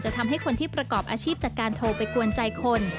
ทำให้คนที่ประกอบอาชีพจากการโทรไปกวนใจคน